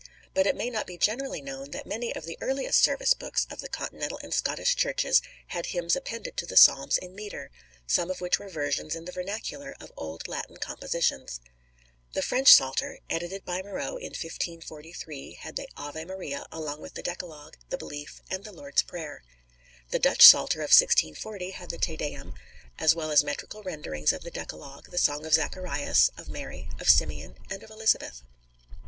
But it may not be generally known that many of the earliest service books of the Continental and Scottish Churches had hymns appended to the Psalms in metre, some of which were versions in the vernacular of old Latin compositions. The French Psalter, edited by Marot in 1543, had the Ave Maria along with the Decalogue, the Belief, and the Lord's Prayer. The Dutch Psalter of 1640 had the Te Deum, as well as metrical renderings of the Decalogue, the Song of Zacharias, of Mary, of Simeon, and of Elizabeth.